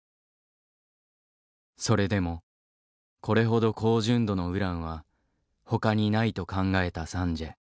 それでもこれほど高純度のウランはほかにないと考えたサンジエ。